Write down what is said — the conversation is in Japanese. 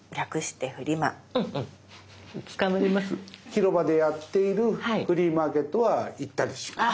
広場でやっているフリーマーケットは行ったりします。